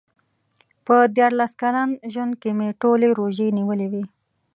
په دیارلس کلن ژوند کې مې ټولې روژې نیولې وې.